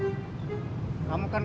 itu tanggung jawab kamu